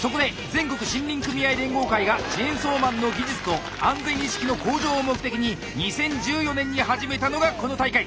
全国森林組合連合会がチェーンソーマンの技術と安全意識の向上を目的に２０１４年に始めたのがこの大会！